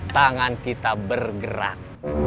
tangan kita bergerak